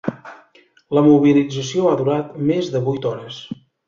La mobilització ha durat més de vuit hores.